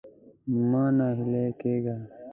مه ناهيلی کېږه.